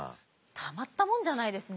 たまったもんじゃないですね。